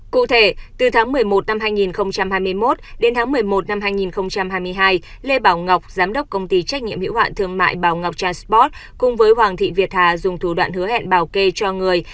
cụ thể từ tháng một mươi một năm hai nghìn hai mươi một đến tháng một mươi một năm hai nghìn hai mươi hai lê bảo ngọc giám đốc công ty trách nhiệm hiệu hoạn thương mại bảo ngọc transport cùng với hoàng thị việt hà dùng thủ đoạn hứa hẹn bảo kê cho người